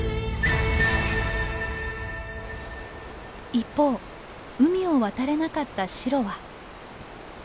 一方海を渡れなかったシロは。